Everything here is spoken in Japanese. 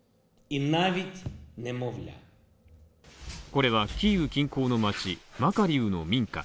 これは、キーウ近郊の街マカリウの民家。